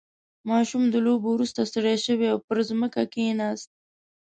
• ماشوم د لوبو وروسته ستړی شو او پر ځمکه کښېناست.